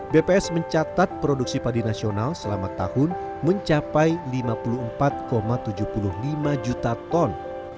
bps mencatat produksi padi nasional selama tahun mencapai lima puluh empat tujuh puluh lima juta ton